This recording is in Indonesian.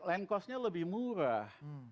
land costnya lebih murah